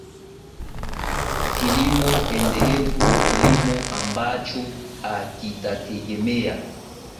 kilimo endelevu ni kilimo ambacho hakitategemea